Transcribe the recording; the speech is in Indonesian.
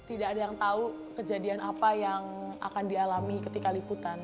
tidak ada yang tahu kejadian apa yang akan dialami ketika liputan